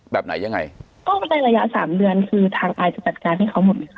แบบไหนยังไงก็ในระยะสามเดือนคือทางอายจะจัดการให้เขาหมดเลยค่ะ